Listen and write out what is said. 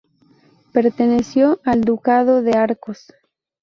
Perteneció al Ducado de Arcos.